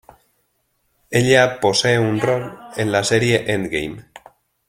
Ella posee un rol en la serie "Endgame".